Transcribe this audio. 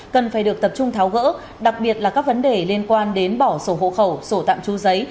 cần phải được tập trung tháo gỡ đặc biệt là các vấn đề liên quan đến bỏ sổ hộ khẩu sổ tạm tru giấy